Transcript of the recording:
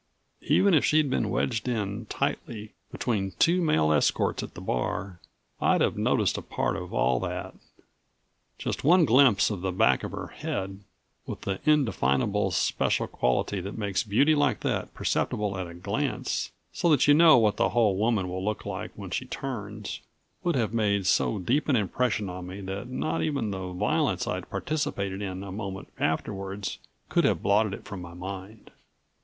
Even if she'd been wedged in tightly between two male escorts at the bar, I'd have noticed a part of all that. Just one glimpse of the back of her head, with the indefinable, special quality that makes beauty like that perceptible at a glance, so that you know what the whole woman will look like when she turns, would have made so deep an impression on me that not even the violence I'd participated in a moment afterwards could have blotted it from my mind.